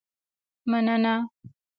مننه